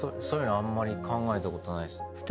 そういうのあんまり考えたことないっすね。